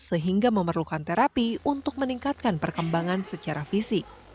sehingga memerlukan terapi untuk meningkatkan perkembangan secara fisik